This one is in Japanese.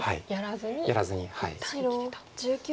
やらずに一旦生きてと。